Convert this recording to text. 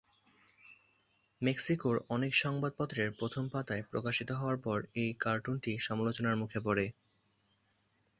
মেক্সিকোর অনেক সংবাদপত্রের প্রথম পাতায় প্রকাশিত হওয়ার পর এই কার্টুনটি সমালোচনার মুখে পড়ে।